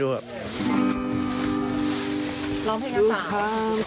ร้องเพลงละค่ะ